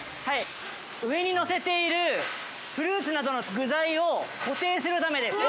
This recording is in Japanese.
◆上にのせているフルーツなどの具材を固定するためです。